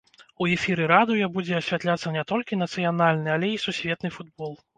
У эфіры радыё будзе асвятляцца не толькі нацыянальны, але і сусветны футбол.